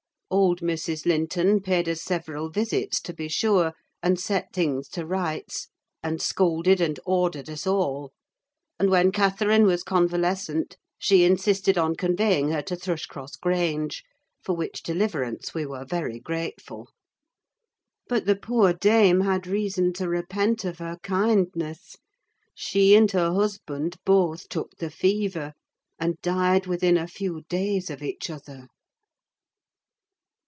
Old Mrs. Linton paid us several visits, to be sure, and set things to rights, and scolded and ordered us all; and when Catherine was convalescent, she insisted on conveying her to Thrushcross Grange: for which deliverance we were very grateful. But the poor dame had reason to repent of her kindness: she and her husband both took the fever, and died within a few days of each other.